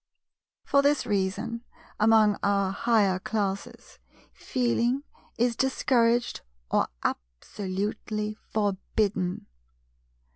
For this reason, among our Higher Classes, "Feeling" is discouraged or absolutely forbidden.